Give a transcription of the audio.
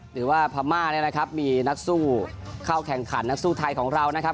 หรือว่าพม่าเนี่ยนะครับมีนักสู้เข้าแข่งขันนักสู้ไทยของเรานะครับ